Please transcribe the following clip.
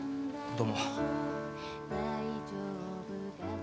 どうも。